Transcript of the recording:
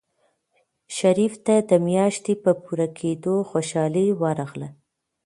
شریف ته د میاشتې په پوره کېدو خوشحالي ورغله.